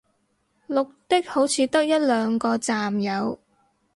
綠的好似得一兩個站有